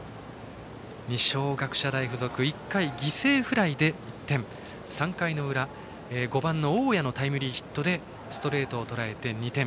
二松学舎大付属１回、犠牲フライで１点３回の裏、５番の大矢のタイムリーヒットでストレートをとらえて２点。